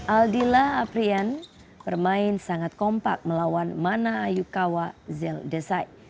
aldila aprian bermain sangat kompak melawan mana ayukawa zeldesai